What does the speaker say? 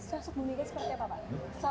sosok bumega seperti apa pak